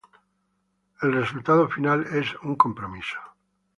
El resultado final es un compromiso.